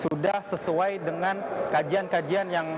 sudah sesuai dengan kajian kajian yang